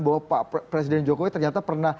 bahwa pak presiden jokowi ternyata pernah